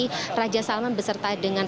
dan ini raja salman berserta dengan rombongan